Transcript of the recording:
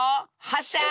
はっしゃ！